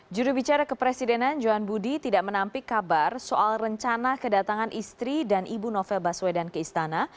jurubicara kepresidenan johan budi tidak menampik kabar soal rencana kedatangan istri dan ibu novel baswedan ke istana